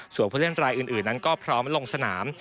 ส่วนผู้เล่นรายอื่นนั้นก็พร้อมลงสนาม